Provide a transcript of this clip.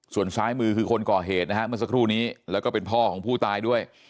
ส่วนซ้ายมือคือคนก่อเหตุนะฮะเมื่อสักครู่นี้แล้วก็เป็นพ่อของผู้ตายด้วย